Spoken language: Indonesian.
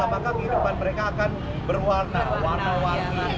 maka kehidupan mereka akan berwarna